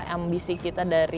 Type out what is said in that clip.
ambisi kita dari